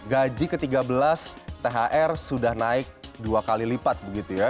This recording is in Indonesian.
gaji ke tiga belas thr sudah naik dua kali lipat begitu ya